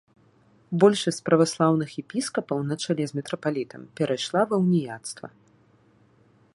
Большасць праваслаўных епіскапаў на чале з мітрапалітам перайшла ва уніяцтва.